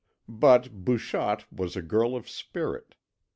But Bouchotte was a girl of spirit.